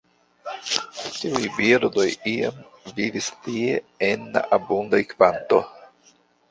Tiuj birdoj iam vivis tie en abunda kvanto.